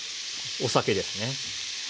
お酒ですね。